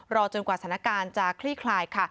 จนกว่าสถานการณ์จะคลี่คลายค่ะ